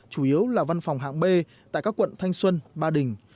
chủ yếu là văn phòng hạng b tại các quận thanh xuân ba đình